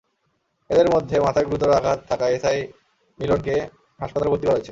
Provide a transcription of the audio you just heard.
এঁদের মধ্যে মাথায় গুরুতর আঘাত থাকা এএসআই মিলনকে হাসপাতালে ভর্তি করা হয়েছে।